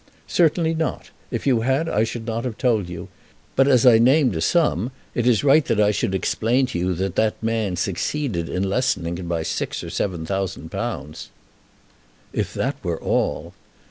"Certainly not. If you had I should not have told you. But as I named a sum, it is right that I should explain to you that that man succeeded in lessening it by six or seven thousand pounds." "If that were all!"